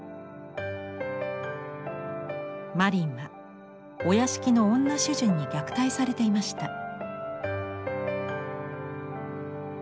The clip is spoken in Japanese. まりんはお屋敷の女主人に虐待されていました。